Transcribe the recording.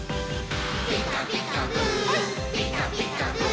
「ピカピカブ！ピカピカブ！」